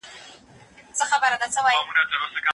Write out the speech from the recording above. ملي سوداګر کوم روغتونونه جوړ کړي؟